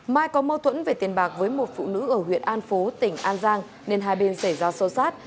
mai có mâu thuẫn về tiền bạc với một phụ nữ ở huyện an phố tỉnh an giang nên hai bên xảy ra sâu sát